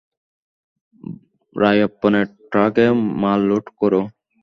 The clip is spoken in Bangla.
রায়প্পানের ট্রাকে মাল লোড করো।